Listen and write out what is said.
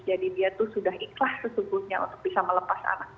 jadi dia itu sudah ikhlas sesungguhnya untuk bisa melepas anak